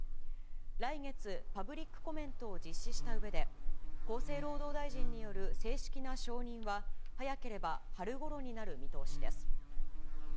来月、パブリックコメントを実施したうえで、厚生労働大臣による正式な承認は、早ければ春ごろになる見通しです。